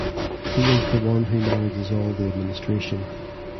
He is the one who manages all the administration.